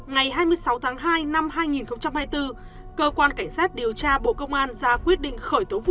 ngày hai mươi sáu tháng hai năm hai nghìn hai mươi bốn cơ quan cảnh sát điều tra bộ công an ra quyết định khởi tố vụ án